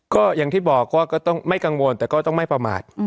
ก็อย่างที่บอกก็ต้องไม่กังวลแต่ก็ต้องไม่ประมาท